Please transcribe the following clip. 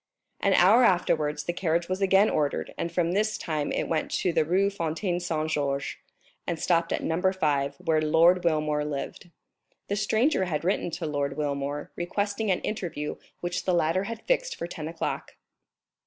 An hour afterwards the carriage was again ordered, and this time it went to the Rue Fontaine Saint Georges, and stopped at No. 5, where Lord Wilmore lived. The stranger had written to Lord Wilmore, requesting an interview, which the latter had fixed for ten o'clock.